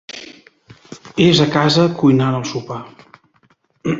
És a casa cuinant el sopar.